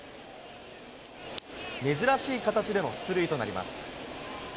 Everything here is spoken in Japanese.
珍しい形での出塁となります。